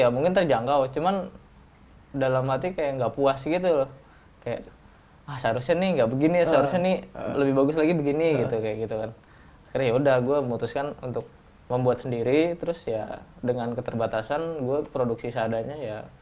bermula dengan jaringan pertemanan untuk memasarkan produknya